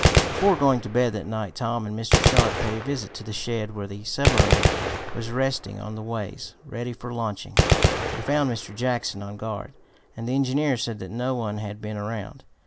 Before going to bed that night Tom and Mr. Sharp paid a visit to the shed where the submarine was resting on the ways, ready for launching. They found Mr. Jackson on guard and the engineer said that no one had been around.